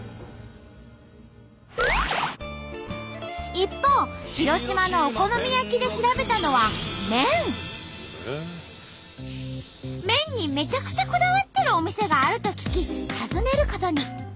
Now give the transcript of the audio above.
一方広島のお好み焼きで調べたのは麺にめちゃくちゃこだわってるお店があると聞き訪ねることに。